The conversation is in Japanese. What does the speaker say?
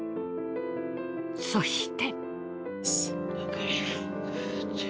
そして。